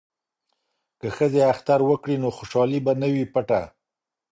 که ښځې اختر وکړي نو خوشحالي به نه وي پټه.